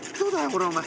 これお前。